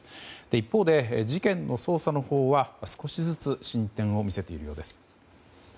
一方で事件の捜査のほうは少しずつ進展を見せているようです。